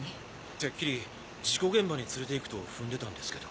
てっきり事故現場に連れていくと踏んでたんですけど。